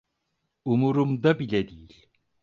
Umurumda bile değil.